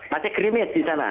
masih grimis di sana